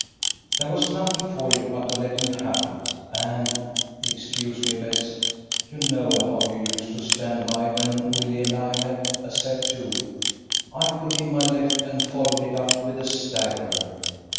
There was nothing for it but to let him have it, and excuse me, Bess; you know how you used to stand by when Willie and I had a set to I put in my left, and followed it up with a staggerer.